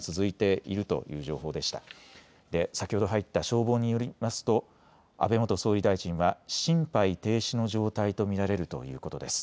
消防によりますと安倍元総理大臣は心肺停止の状態と見られるということです。